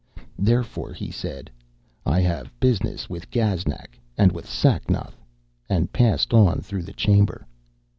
Therefore he said: 'I have a business with Gaznak and with Sacnoth,' and passed on through the chamber.